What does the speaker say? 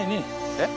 えっ？